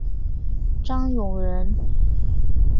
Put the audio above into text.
张永人。